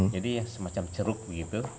jadi semacam ceruk begitu